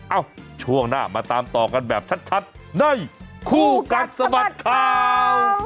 เอ้าช่วงหน้ามาตามต่อกันแบบชัดชัดในคู่กัดสมัครข่าว